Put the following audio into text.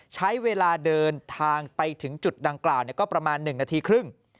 ใช้เวลาเดินทางไปถึงจุดดังกล่าวก็ประมาณ๑นาทีครึ่ง